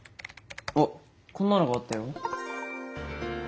あっこんなのがあったよ。